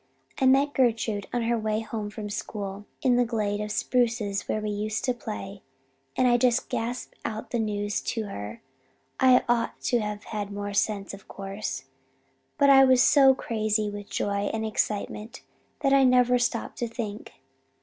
I met Gertrude on her way home from school in the glade of spruces where we used to play, and I just gasped out the news to her. I ought to have had more sense, of course. But I was so crazy with joy and excitement that I never stopped to think.